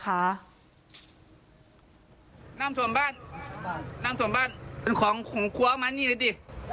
น้ำส่วนบ้านน้ำส่วนบ้านเป็นของของครัวมานี่เลยดิ